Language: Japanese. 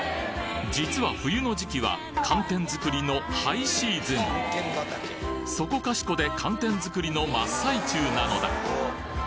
実は冬の時期は寒天作りのハイシーズンそこかしこで寒天作りの真っ最中なのだ